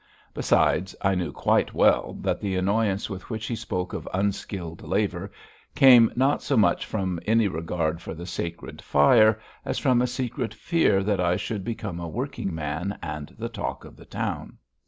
Besides, I knew quite well that the annoyance with which he spoke of unskilled labour came not so much from any regard for the sacred fire, as from a secret fear that I should become a working man and the talk of the town.